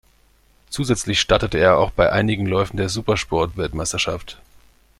Zusätzlich startete er auch bei einigen Läufen der Supersport-Weltmeisterschaft.